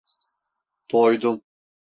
Doydum.